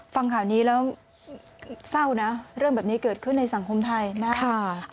ฟังข่าวนี้แล้วเศร้านะเรื่องแบบนี้เกิดขึ้นในสังคมไทยนะคะ